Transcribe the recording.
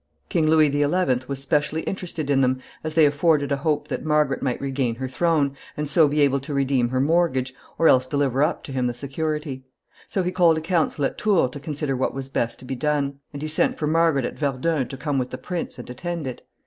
King Louis XI. was specially interested in them, as they afforded a hope that Margaret might regain her throne, and so be able to redeem her mortgage, or else deliver up to him the security; so he called a council at Tours to consider what was best to be done, and he sent for Margaret at Verdun to come with the prince and attend it.